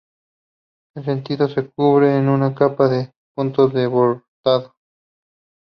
El sentido se cubre con una capa de puntos de bordado.